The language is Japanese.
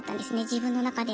自分の中で。